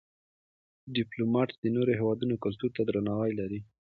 ډيپلومات د نورو هېوادونو کلتور ته درناوی لري.